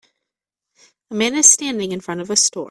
A man is standing in front of a store.